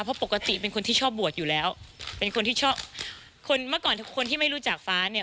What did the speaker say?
เพราะปกติเป็นคนที่ชอบบวชอยู่แล้วเป็นคนที่ชอบคนเมื่อก่อนคนที่ไม่รู้จักฟ้าเนี่ย